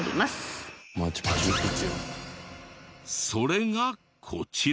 それがこちら。